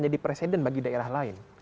nah itu yang paling mengkhawatirkan